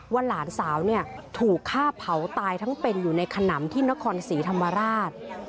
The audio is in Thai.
หลานสาวเนี่ยถูกฆ่าเผาตายทั้งเป็นอยู่ในขนำที่นครศรีธรรมราช